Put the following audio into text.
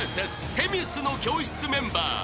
『女神の教室』メンバー］